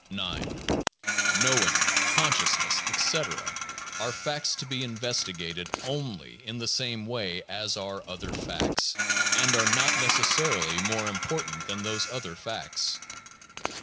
9. Knowing, consciousness, etc., are facts to be investigated only in the same way as are other facts, and are not necessarily more im portant than are other facts.